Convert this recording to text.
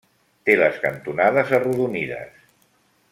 Té les cantonades arrodonides.